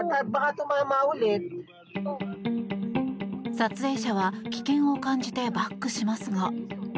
撮影者は危険を感じてバックしますが。